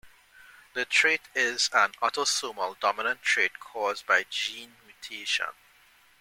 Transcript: The trait is an autosomal-dominant trait caused by a gene mutation.